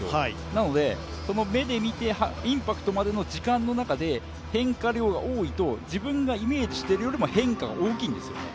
なので目で見て、インパクトまでの時間の中で変化量が多いと、自分がイメージしているよりも変化が大きいんですよね、